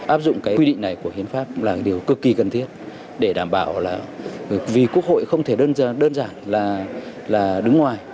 áp dụng cái quy định này của hiến pháp là điều cực kỳ cần thiết để đảm bảo là vì quốc hội không thể đơn giản là đứng ngoài